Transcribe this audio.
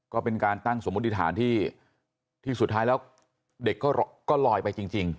ก็เป็นการตั้งสมมุติฐานที่สุดท้ายแล้วเด็กก็ลอยไปจริง